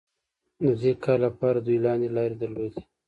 د دې کار لپاره دوی لاندې لارې درلودې.